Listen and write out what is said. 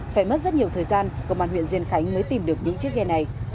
phải mất rất nhiều thời gian công an huyện diên khánh mới tìm được những chiếc ghe này